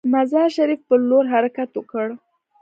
مزار شریف پر لور حرکت وکړ.